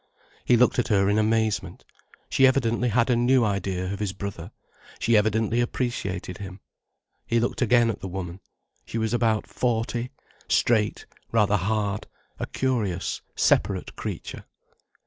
He looked at her in amazement. She evidently had a new idea of his brother: she evidently appreciated him. He looked again at the woman. She was about forty, straight, rather hard, a curious, separate creature.